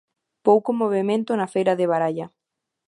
Pouco movemento na feira de Baralla.